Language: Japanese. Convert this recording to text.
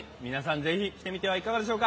ぜひいってみていかがでしょうか。